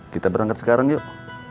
kita berangkat sekarang yuk